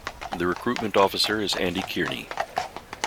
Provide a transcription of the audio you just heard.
The Recruitment Officer is Andy Kearney.